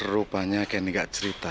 rupanya candy gak cerita